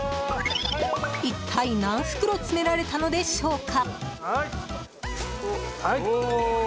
一体、何袋詰められたのでしょうか？